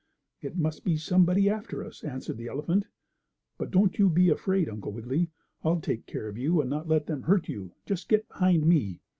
"It must be somebody after us," answered the elephant. "But don't you be afraid, Uncle Wiggily, I'll take care of you, and not let them hurt you. Just get behind me."